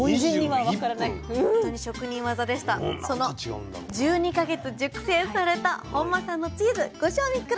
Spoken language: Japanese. その１２か月熟成された本間さんのチーズご賞味下さい！